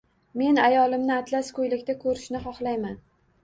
Men ayolimni atlas ko‘ylakda ko‘rishni xohlayman!